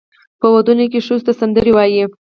په ودونو کې ښځو ته سندرې وایي.